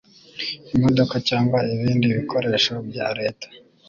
imodoka cyangwa ibindi bikoresho bya leta